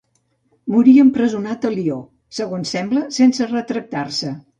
Morí empresonat a Lió, segons sembla, sense retractar-se.